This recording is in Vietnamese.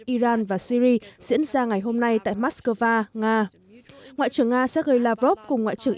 iran và syri diễn ra ngày hôm nay tại moscow nga ngoại trưởng nga sergei lavrov cùng ngoại trưởng